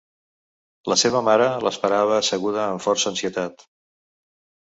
La seva mare l'esperava asseguda amb força ansietat.